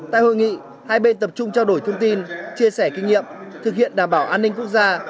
tại hội nghị hai bên tập trung trao đổi thông tin chia sẻ kinh nghiệm thực hiện đảm bảo an ninh quốc gia